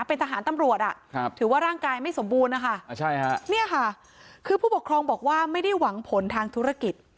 เป็นทหารตำรวจถือว่าร่างกายไม่สมบูรณ์นะคะเนี่ยค่ะคือผู้ปกครองบอกว่าไม่ได้หวังผลทางธุรกิจ